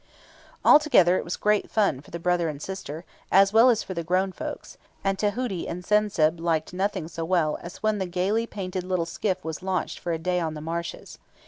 "] Altogether, it was great fun for the brother and sister, as well as for the grown folks, and Tahuti and Sen senb liked nothing so well as when the gaily painted little skiff was launched for a day on the marshes.